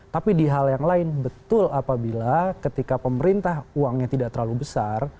tapi di hal yang lain betul apabila ketika pemerintah uangnya tidak terlalu besar